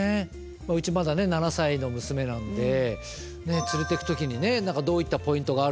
うちまだね７歳の娘なんで連れていく時にねどういったポイントがあるのかとかね。